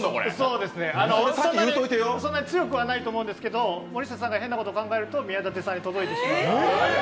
そうですね、そんなに強くはないと思うんですけど、森下さんが変なことを考えると宮舘さんにも。